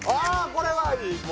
これはいい！